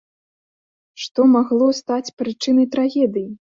Што магло стаць прычынай трагедыі?